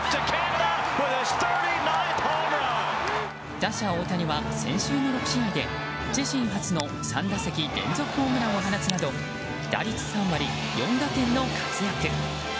打者・大谷は先週の６試合で自身初の３打席連続ホームランを放つなど打率３割、４打点の活躍。